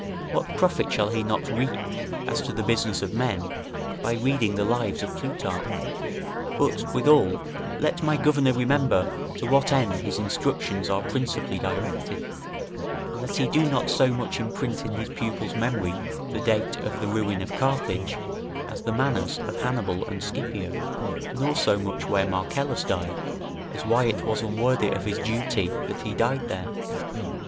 What profit shall he not reap as to the business of men, by reading the Lives of Plutarch? But, withal, let my governor remember to what end his instructions are principally directed, and that he do not so much imprint in his pupil's memory the date of the ruin of Carthage, as the manners of Hannibal and Scipio; nor so much where Marcellus died, as why it was unworthy of his duty that he died there.